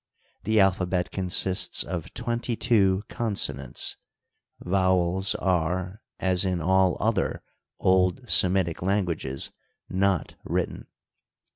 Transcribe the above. The alpha bet consists of twenty two consonants — vowels are, as in all other old Semitic languages, not written.